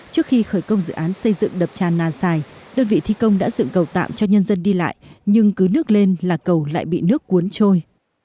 trước khi khởi công dự án xây dựng đập tràn nà xài đơn vị thi công đã dựng cầu tạm cho nhân dân đi lại nhưng cứ nước lên là cầu lại bị nước cuốn trôi